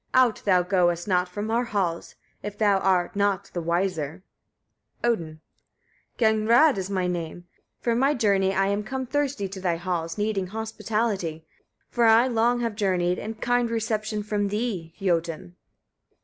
Out thou goest not from our halls, if thou art not the wiser. Odin. 8. Gagnrâd is my name, from my journey I am come thirsty to thy halls, needing hospitality, for I long have journeyed and kind reception from thee, Jötun!